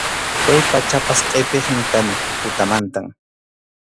Chay pachapas qʼipiqmi kani tutamantam.